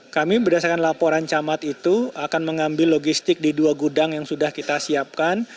kami berdasarkan laporan camat itu akan mengambil logistik di dua gudang yang sudah kita siapkan